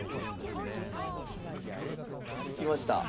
引きました。